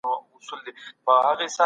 واکمنو پر امرمنونکو خپله واکمني وښودله.